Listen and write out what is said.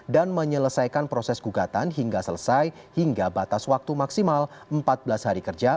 dan menyelesaikan proses gugatan hingga selesai hingga batas waktu maksimal empat belas hari kerja